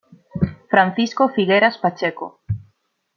Francisco Figueras Pacheco.